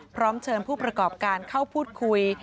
พร้อมเชิญผู้ประกอบการเข้าพูดคุย